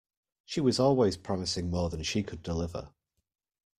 She was always promising more than she could deliver.